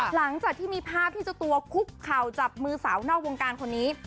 หลังจากที่มีภาพที่เจ้าตัวคุกเข่าจับมือสาวนอกวงการคนนี้